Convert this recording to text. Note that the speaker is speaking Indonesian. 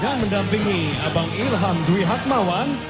dan mendampingi abang ilham dwi hatmawan